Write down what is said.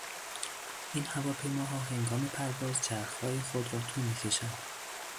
این هواپیماها هنگام پرواز چرخهای خود را تو میکشند.